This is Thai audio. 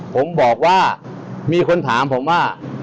ผมบอกว่ามีคนถามผมว่า